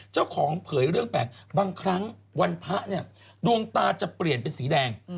เผยเรื่องแปลกบางครั้งวันพระเนี่ยดวงตาจะเปลี่ยนเป็นสีแดง